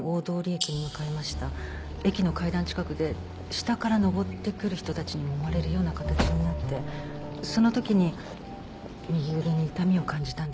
駅の階段近くで下から上ってくる人たちにもまれるような形になってその時に右腕に痛みを感じたんです。